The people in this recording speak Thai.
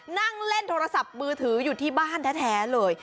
นั่งเล่นโทรศัพท์มือถืออยู่ที่บ้านแท้เลย